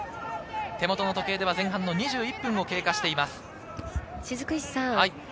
手元の時計では前半２１分を経過しています。